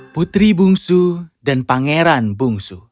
putri bungsu dan pangeran bungsu